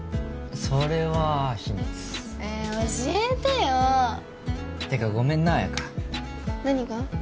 それは秘密え教えてよってかごめんな彩花何が？